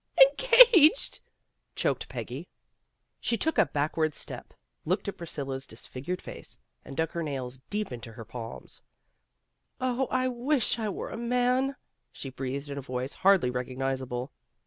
"Engaged," choked Peggy. She took a back ward step, looked at Priscilla 's disfigured face, and dug her nails deep into her palms. "Oh, I wish I were a man," she breathed in a voice hardly recognizable.